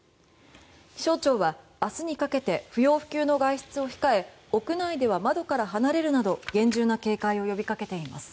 気象庁は明日にかけて不要不急の外出を控え屋内では窓から離れるなど厳重な警戒を呼び掛けています。